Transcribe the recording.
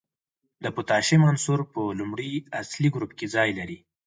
د پوتاشیم عنصر په لومړي اصلي ګروپ کې ځای لري.